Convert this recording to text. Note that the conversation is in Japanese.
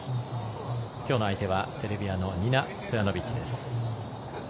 きょうの相手は、セルビアのニナ・ストヤノビッチです。